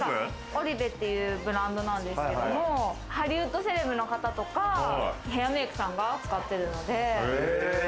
オリベっていうブランドなんですけども、ハリウッドセレブの方とか、ヘアメイクさんが使ってるので。